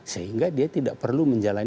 sehingga dia tidak perlu menjalankan